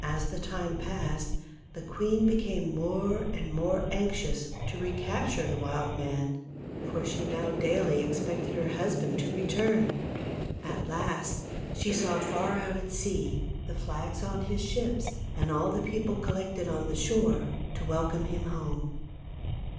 As the time passed, the queen became more and more anxious to re capture the wild man ; for she now daily expected her husband to THE GLASS MOUNTAIN. 261 return. At last she saw far out at sea the flags on his ships and all the people collected on the shore to welcome him home.